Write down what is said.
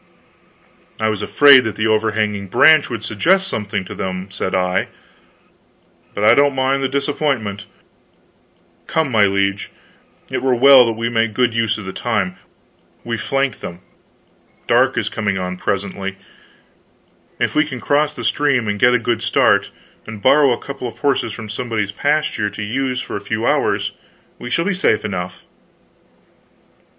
"I was afraid that the overhanging branch would suggest something to them," said I, "but I don't mind the disappointment. Come, my liege, it were well that we make good use of our time. We've flanked them. Dark is coming on, presently. If we can cross the stream and get a good start, and borrow a couple of horses from somebody's pasture to use for a few hours, we shall be safe enough."